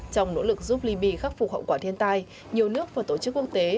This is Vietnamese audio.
trong nỗ lực giúp libya khắc phục hậu quả thiên tai nhiều nước và tổ chức quốc tế